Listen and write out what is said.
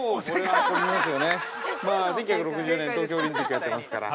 １９６４年、東京オリンピックやってますから。